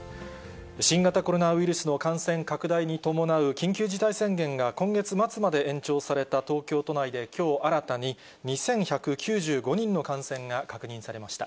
新型コロナウイルスの感染拡大に伴う緊急事態宣言が今月末まで延長された東京都内できょう新たに、２１９５人の感染が確認されました。